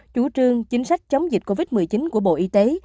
chủ trương chính sách chống dịch covid một mươi chín của bộ y tế